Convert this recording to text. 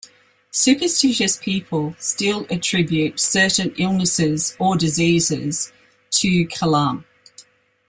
Superstitious people still attribute certain illnesses or diseases to "kulam".